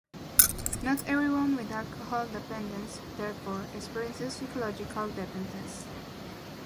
Not everyone with alcohol dependence, therefore, experiences physiological dependence.